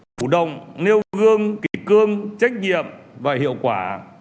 phủ đồng nêu gương kỳ cương trách nhiệm và hiệu quả